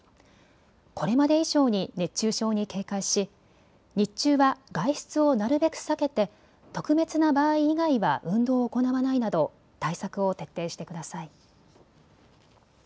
これまで以上に熱中症に警戒し日中は外出をなるべく避けて特別な場合以外は運動を行わないなど対策を徹底してください。